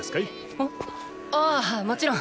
あああもちろん。